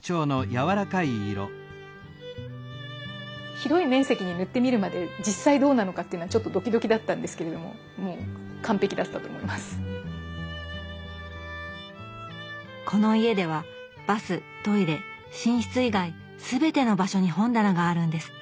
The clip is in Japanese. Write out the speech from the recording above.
広い面積に塗ってみるまで実際どうなのかっていうのはちょっとドキドキだったんですけれどもこの家ではバス・トイレ・寝室以外全ての場所に本棚があるんですって。